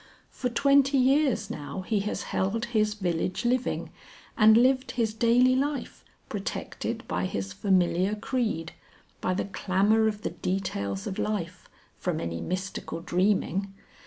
For twenty years now he has held his village living and lived his daily life, protected by his familiar creed, by the clamour of the details of life, from any mystical dreaming.